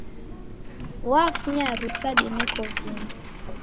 Wafunya rusa dineko vindo.